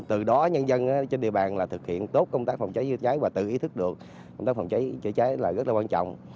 từ đó nhân dân trên địa bàn thực hiện tốt công tác phòng cháy chữa cháy và tự ý thức được công tác phòng cháy chữa cháy là rất là quan trọng